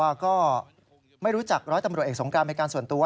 ว่าก็ไม่รู้จักร้อยตำรวจเอกสงกราบอเมริกาส่วนตัว